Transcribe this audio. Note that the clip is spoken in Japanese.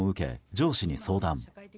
上司に相談。